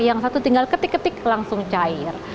yang satu tinggal ketik ketik langsung cair